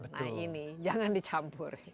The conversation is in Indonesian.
nah ini jangan dicampur